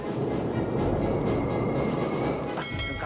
hah mereka berpencar